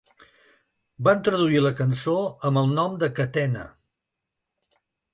Van traduir la cançó amb el nom de ‘Catena’.